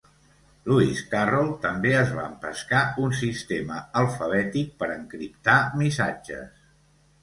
Lewis Carroll també es va empescar un sistema alfabètic per encriptar missatges.